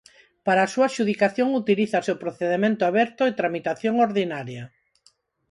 Para a súa adxudicación utilízase o procedemento aberto e tramitación ordinaria.